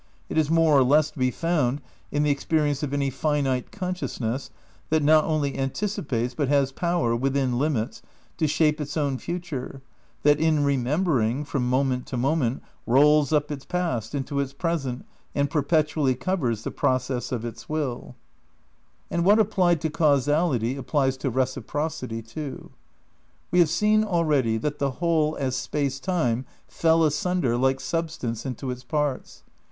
It is more or less to be found in the experience of any finite consciousness that not only anticipates but has power, within limits, to shape its own future, that, in remembering, from moment to moment rolls up its past into its present and perpetu ally covers the process of its will. 242 THE NEW IDEALISM vi And what applied to causality applies to Reciprocity, too. "We have seen already that the Whole as Space Time fell asunder, like Substance, into its parts.